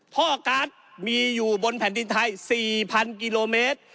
พ่อการ์ดมีอยู่บนแผ่นดินไทย๔๐๐๐กิโลเมตร